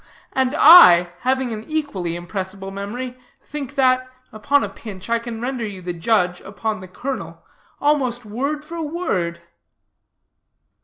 And I, having an equally impressible memory, think that, upon a pinch, I can render you the judge upon the colonel almost word for word."